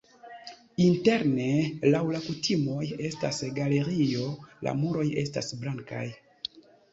Interne laŭ la kutimoj estas galerio, la muroj estas blankaj.